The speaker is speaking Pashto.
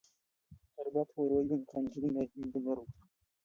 هربرت هوور یو میخانیکي انجینر و.